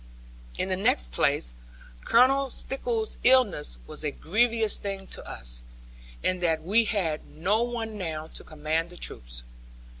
In the next place Colonel Stickles's illness was a grievous thing to us, in that we had no one now to command the troopers.